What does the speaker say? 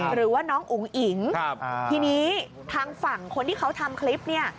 หรือว่าน้องอุ๋งอิ๋งทีนี้ทางฝั่งคนที่เขาทำคลิปเนี่ย